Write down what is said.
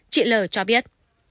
chị l cho biết